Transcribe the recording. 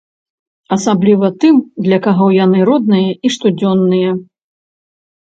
Асабліва тым, для каго яны родныя і штодзённыя.